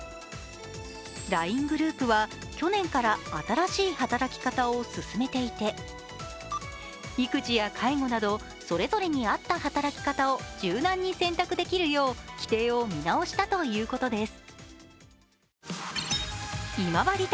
ライングループは去年から新しい働き方を進めていて、育児や介護などそれぞれに合った働き方を柔軟に選択できるよう規定を見直したということです。